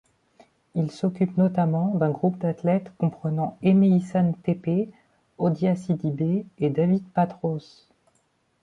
Il s'occupe notamment d'un groupe d'athlète comprenant Aimé-Issa Nthépé, Odiah Sidibé et David Patros.